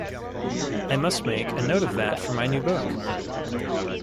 I must make a note of that for my new book.